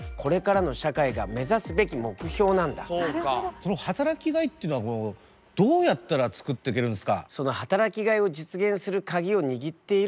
その働きがいっていうのはどうやったら作ってけるんすか？